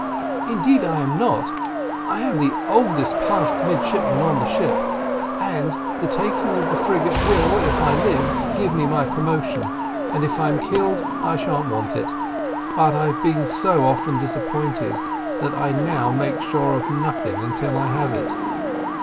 "Indeed I am not: I am the oldest passed midshipman in the ship, and the taking of the frigate will, if I live, give me my promotion, and if I'm killed, I shan't want it. But I've been so often disappointed, that I now make sure of nothing until I have it."